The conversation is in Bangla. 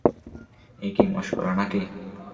এ কী মশকরা নাকি?